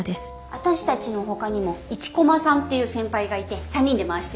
私たちのほかにも一駒さんっていう先輩がいて３人で回してるの。